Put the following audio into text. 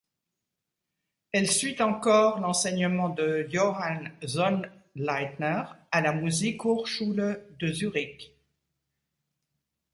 Elle suit encore l'enseignement de Johann Sonnleitner à la Musikhochschule de Zürich.